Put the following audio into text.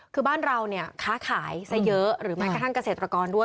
คือบ้านเราเนี่ยค้าขายซะเยอะหรือแม้กระทั่งเกษตรกรด้วย